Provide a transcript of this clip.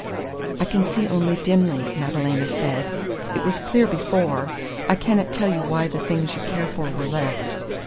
"I can see only dimly," Madalena said. "It was clear before! I cannot tell you why the things you care for were left....